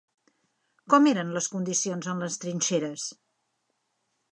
Com eren les condicions en les trinxeres?